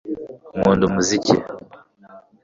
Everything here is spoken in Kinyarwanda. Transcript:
Nkunda umuziki